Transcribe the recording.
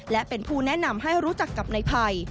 และเป็นผู้แนะนำให้รู้จักกับนายภัย